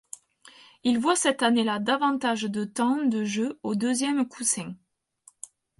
Il voit cette année-là davantage de temps de jeu au deuxième coussin.